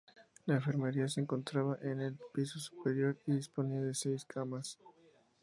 La enfermería se encontraba en el piso superior y disponía de seis camas.